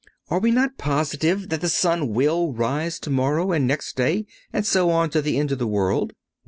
Are we not positive that the sun will rise tomorrow and next day, and so on to the end of the world?